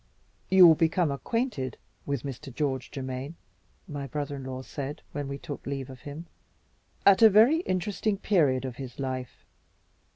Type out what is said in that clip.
"You will become acquainted with Mr. George Germaine," my brother in law said, when we took leave of him, "at a very interesting period of his life.